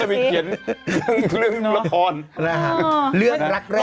เอาอีกแล้วดูสิถ้าไม่เขียนเรื่องละคร